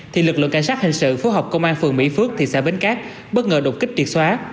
thì lực lượng cảnh sát hình sự phối hợp công an phường mỹ phước thị xã bến cát bất ngờ đột kích triệt xóa